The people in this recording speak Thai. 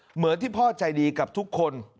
เหมือนที่พ่อใจดีกับทุกคน